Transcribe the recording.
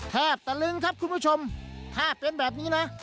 ตะลึงครับคุณผู้ชมถ้าเป็นแบบนี้นะ